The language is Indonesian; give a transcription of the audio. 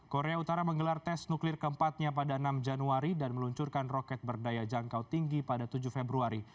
korea utara menggelar tes nuklir keempatnya pada enam januari dan meluncurkan roket berdaya jangkau tinggi pada tujuh februari